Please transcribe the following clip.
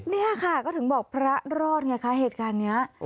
นี่แหละค่ะก็ถึงบอกพระรอดง่ายนะคะเหตุการณ์นี้